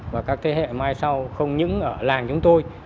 và các thế hệ mai sau không những ở làng chúng tôi